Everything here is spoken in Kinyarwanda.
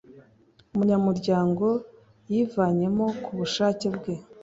umunyamuryango yivanyemo ku bushake bwe